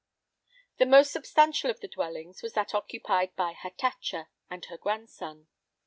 The most substantial of the dwellings was that occupied by Hatatcha and her grandson.